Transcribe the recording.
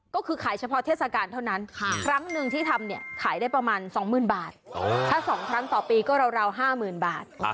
ก็คือขายเฉพาะเทศกาลเท่านั้นครั้งหนึ่งที่ทำเนี่ยขายได้ประมาณ๒๐๐๐บาทถ้า๒ครั้งต่อปีก็ราว๕๐๐๐บาท